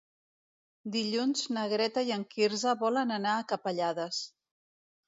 Dilluns na Greta i en Quirze volen anar a Capellades.